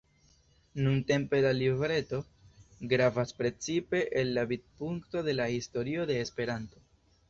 Nuntempe la libreto gravas precipe el la vidpunkto de la historio de Esperanto.